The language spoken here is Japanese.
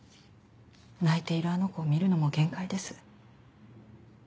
泣いているあの子を見るのも限界です。